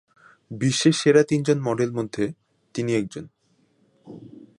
বিশ্বের সেরা তিনজন মডেল মধ্যে তিনি একজন।